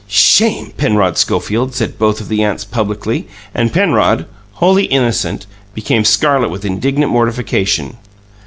"SHAME, Penrod Schofield!" said both the aunts Rennsdale publicly, and Penrod, wholly innocent, became scarlet with indignant mortification.